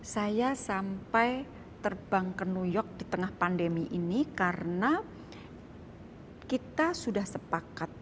saya sampai terbang ke new york di tengah pandemi ini karena kita sudah sepakat